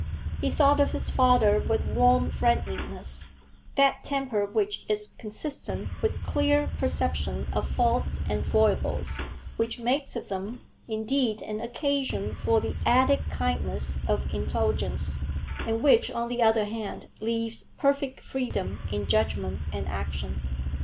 He thought of his father with warm friendliness, that temper which is consistent with clear perception of faults and foibles, which makes of them, indeed, an occasion for the added kindliness of indulgence, and which, on the other hand, leaves perfect freedom in judgment and action.